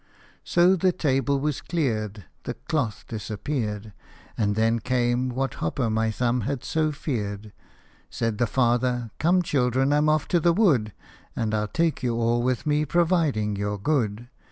So the table was cleared ; The cloth disappeared : And then came what Hop o' my Thumb had so feared. Said the father, " Come, children, I 'm off to the wood, And I '11 take you all with me providing you 're good.